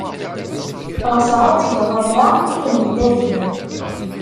Ɣseɣ ad tged aya i lmendad-inu.